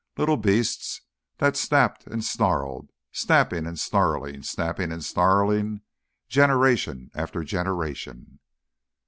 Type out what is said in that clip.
Little beasts that snapped and snarled, snapping and snarling, snapping and snarling, generation after generation."